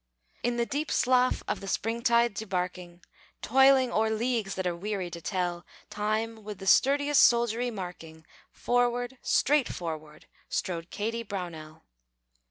In the deep slough of the springtide debarking, Toiling o'er leagues that are weary to tell, Time with the sturdiest soldiery marking, Forward, straight forward, strode Kady Brownell.